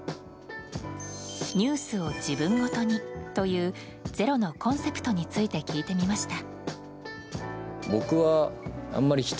「ニュースをじぶんごとに」という「ｚｅｒｏ」のコンセプトについて聞いてみました。